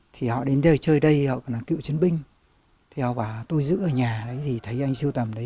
thì họ đến đây chơi đây họ là cựu chiến binh thì họ bảo tôi giữ ở nhà đấy thì thấy anh siêu tầm đấy